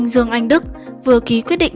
dương anh đức vừa ký quyết định